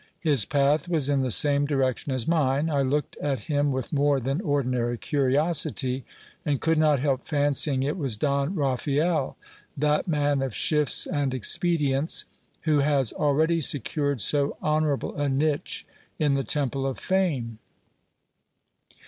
His path was in the same direction as mine. I looked at him with more than ordinary curiosity, and could not help fancying it was Don Raphael, that man of shifts and expedients, who has already secured so hon ourable a niche in the temple of fame.